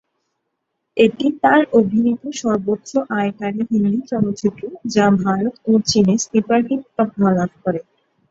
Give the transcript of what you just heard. এটি তার অভিনীত সর্বোচ্চ আয়কারী হিন্দি চলচ্চিত্র, যা ভারত ও চীনে স্লিপার হিট তকমা লাভ করে।